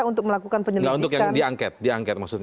untuk melakukan penyelidikan